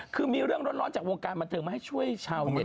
คือมีเรื่องร้อนจากวงการบันเทิงมาให้ช่วยชาวเน็ต